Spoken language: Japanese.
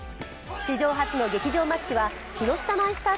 史上初の劇場マッチは木下マイスター